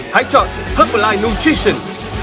hãy chọn herbalife nutrition